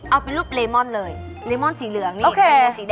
เอาเป็นรูปเลมอนเลยเลมอนสีเหลืองนี่